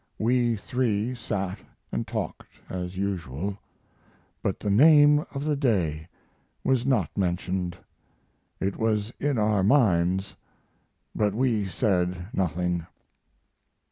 We three sat & talked as usual, but the name of the day was not mentioned. It was in our minds, but we said nothing.